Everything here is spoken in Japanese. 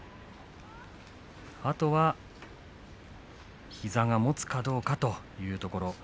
あとは膝がもつかどうかというところ。